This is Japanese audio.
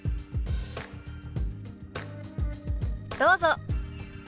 どうぞ。